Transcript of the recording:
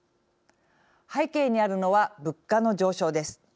背景にあるのは、物価の上昇です。